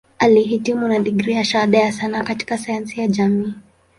Alihitimu na digrii ya Shahada ya Sanaa katika Sayansi ya Jamii.